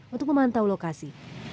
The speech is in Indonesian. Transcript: untuk memantau lokasi